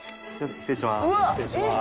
失礼します。